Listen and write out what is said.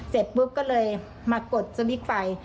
เสร็จปุ๊บก็เลยมากดสลิกไฟ